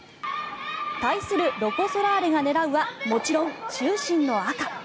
対するロコ・ソラーレが狙うはもちろん中心の赤。